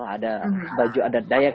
ada baju adat dayak